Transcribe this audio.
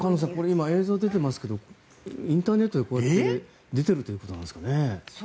今、映像が出ていますけどインターネットでこうやって出ているということなんですね。